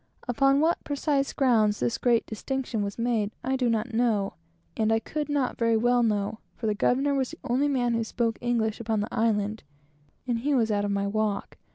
Upon what precise grounds this great distinction was made, I do not know, and I could not very well know, for the governor was the only man who spoke English upon the island, and he was out of my walk.